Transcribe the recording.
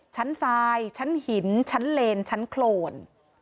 ทรายชั้นหินชั้นเลนชั้นโครน